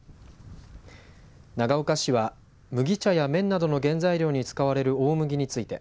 長岡市は麦茶や麺などの原材料に使われる大麦について